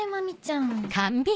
ん？